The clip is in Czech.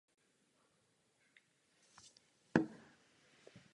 Duše jsou dále používány jako nástroj pro sledování či manipulaci tvorů.